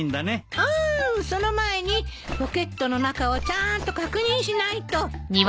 ああその前にポケットの中をちゃーんと確認しないと。